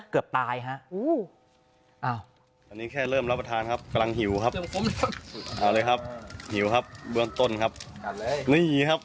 เกิดอะไรขึ้นฮะ